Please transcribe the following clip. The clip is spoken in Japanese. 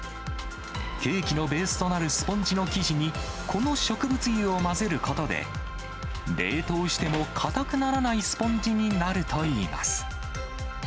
ケーキのベースとなるスポンジの生地に、この植物油を混ぜることで、冷凍しても硬くならないスポンジになるといいます。